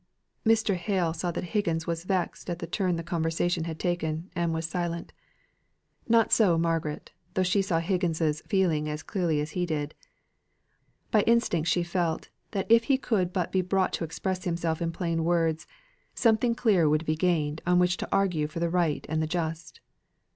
Mr. Hale saw that Higgins was vexed at the turn the conversation had taken, and was silent. Not so Margaret, though she saw Higgins's feeling as clearly as he did. By instinct she felt that if he could but be brought to express himself in plain words, something clear would be gained on which to argue for the right and the just.